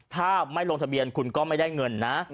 ถ้าไม่ลงทะเบียนคุณก็ไม่ได้เงินนะ